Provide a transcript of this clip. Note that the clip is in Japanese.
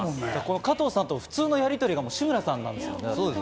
加藤さんと普通のやりとりが志村さんなんですよね。